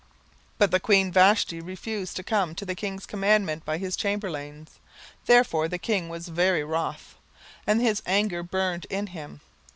17:001:012 But the queen Vashti refused to come at the king's commandment by his chamberlains: therefore was the king very wroth, and his anger burned in him.